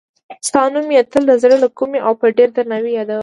ستا نوم یې تل د زړه له کومې او په ډېر درناوي یادوه.